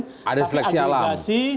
tapi agregasi ada seleksi alam